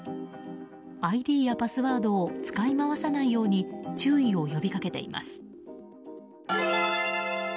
ＩＤやパスワードを使い回さないように注意を呼びかけています。